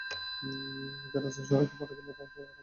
এতে রাসেল সড়কে পড়ে গেলে ট্রাকটি তাঁকে চাপা দিয়ে চলে যায়।